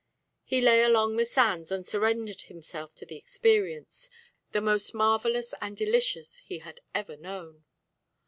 He lay along the sands and surrendered himself to the experience, the most marvellous and delicious he had ever known.